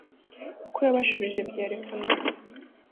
uko yabasubije byerekana ko